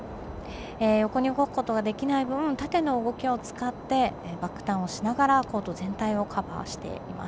横に動くことができない分縦の動きでバックターンをしながらコート全体をカバーしています。